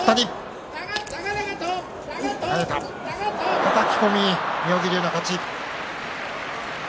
はたきこみ、妙義龍の勝ち。